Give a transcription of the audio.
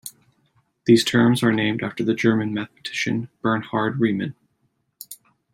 These terms are named after the German mathematician Bernhard Riemann.